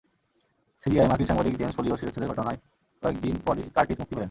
সিরিয়ায় মার্কিন সাংবাদিক জেমস ফলিওর শিরশ্ছেদের ঘটনার কয়েক দিন পরই কার্টিস মুক্তি পেলেন।